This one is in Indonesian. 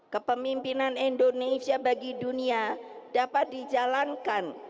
kepemimpinan indonesia bagi dunia dapat dijalankan